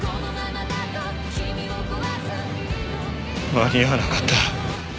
間に合わなかった。